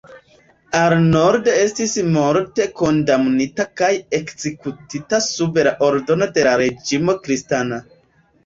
Arnold estis morte kondamnita kaj ekzekutita sub la ordono de la reĝino Kristina.